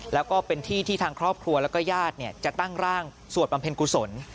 แล้วก็เป็นที่ที่ทางครอบครัวแล้วก็ญาติจะตั้งร่างสวดบำเพ็ญกุศล